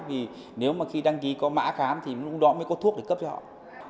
vì nếu mà khi đăng ký có mã khám thì lúc đó mới có thuốc để cấp cho họ